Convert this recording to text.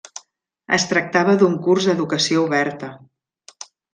Es tractava d'un curs d'educació oberta.